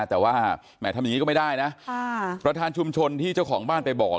แต่ว่าแหมทำอย่างนี้ก็ไม่ได้นะประธานชุมชนที่เจ้าของบ้านไปบอก